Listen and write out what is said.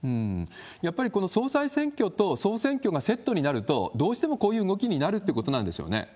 やっぱりこの総裁選挙と総選挙がセットになると、どうしてもこういう動きになるってことなんでしょうね。